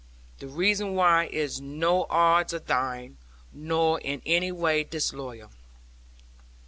The reason why is no odds of thine, nor in any way disloyal.